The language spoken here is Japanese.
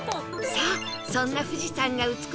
さあそんな富士山が美しい